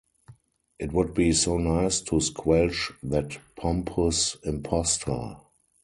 It would be so nice to squelch that pompous impostor.